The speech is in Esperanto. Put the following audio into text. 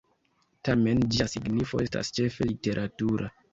Tamen ĝia signifo estas ĉefe literatura.